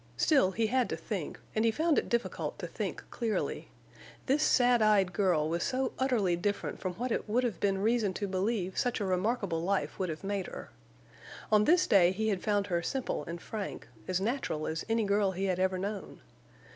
Still he had to think, and he found it difficult to think clearly. This sad eyed girl was so utterly different from what it would have been reason to believe such a remarkable life would have made her. On this day he had found her simple and frank, as natural as any girl he had ever known.